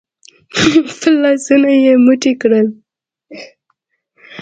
خپل لاسونه يې موټي کړل.